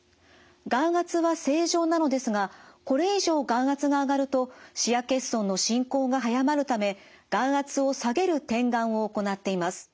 眼圧は正常なのですがこれ以上眼圧が上がると視野欠損の進行が早まるため眼圧を下げる点眼を行っています。